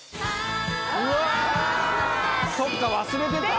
そっか忘れてた！